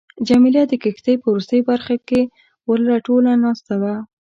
جميله د کښتۍ په وروستۍ برخه کې ورله ټوله ناسته وه.